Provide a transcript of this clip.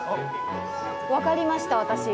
分かりました私。